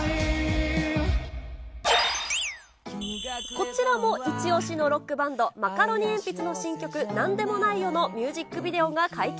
こちらもイチオシのロックバンド、マカロニえんぴつの新曲、なんでもないよ、の、ミュージックビデオが解禁。